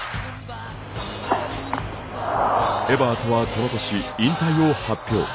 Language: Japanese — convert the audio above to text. エバートはこの年、引退を発表。